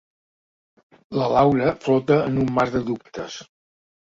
La Laura flota en un mar de dubtes.